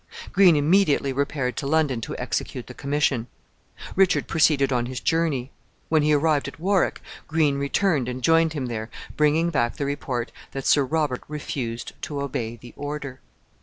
Green immediately repaired to London to execute the commission. Richard proceeded on his journey. When he arrived at Warwick, Green returned and joined him there, bringing back the report that Sir Robert refused to obey the order.